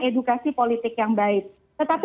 edukasi politik yang baik tetapi